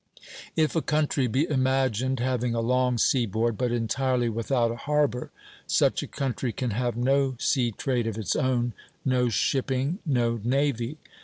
If a country be imagined having a long seaboard, but entirely without a harbor, such a country can have no sea trade of its own, no shipping, no navy.